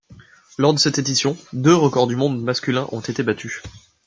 Lors de cette édition, deux records du monde masculin ont été battus.